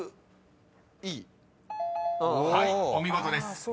［はいお見事です］